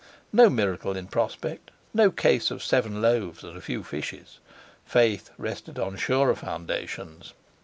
No miracle in prospect—no case of seven loaves and a few fishes—faith rested on surer foundations.